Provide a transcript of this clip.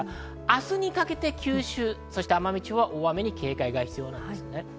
明日にかけて九州、奄美地方は大雨に警戒が必要です。